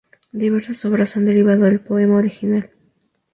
Diversas obras se han derivado del poema original.